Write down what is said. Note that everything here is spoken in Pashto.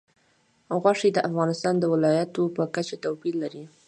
غوښې د افغانستان د ولایاتو په کچه توپیر لري.